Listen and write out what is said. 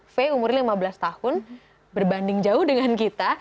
fay umur lima belas tahun berbanding jauh dengan kita